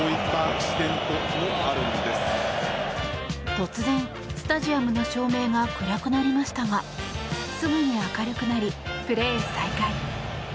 突然、スタジアムの照明が暗くなりましたがすぐに明るくなりプレー再開。